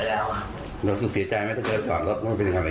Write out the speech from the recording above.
แล้วก็คิดให้ดีว่าทำลงไปแล้วมีผลการเราและสถานกรมไหมครับ